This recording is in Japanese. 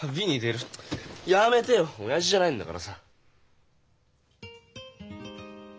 やめてよ親父じゃないんだからさ。